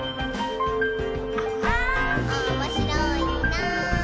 「おもしろいなぁ」